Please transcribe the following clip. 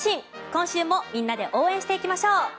今週もみんなで応援していきましょう。